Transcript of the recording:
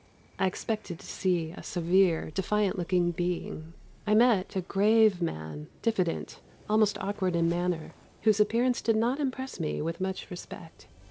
I expected to see a severe, defiant looking being. I met a grave man, diffident, almost awkward in manner, whose appearance did not impress me with much respect.